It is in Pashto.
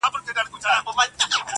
ما یوه شېبه لا بله ځنډولای!.